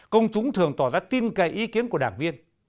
công chúng thường tỏ ra tin cây ý kiến của đảng viên